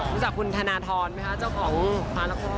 รู้จักคุณธนทรไหมคะเจ้าของฝาละคร